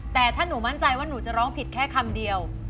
แต่ถ้าหนูมั่นใจว่าหนูจะร้องผิดแค่คำเดียว